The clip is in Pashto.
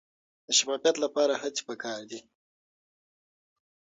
د شفافیت لپاره هڅې پکار دي.